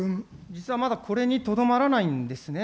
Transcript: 実はまだ、これにとどまらないんですね。